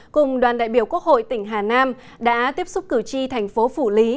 cùng đoàn đại biểu quốc hội tỉnh hà nam đã tiếp xúc cử tri thành phố phủ lý